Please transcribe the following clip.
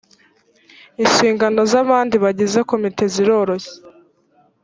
inshingano z’ abandi bagize komite ziroroshye .